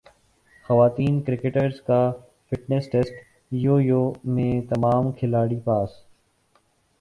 خواتین کرکٹرز کا fitness test yo yo میں تمام کھلاڑی پاس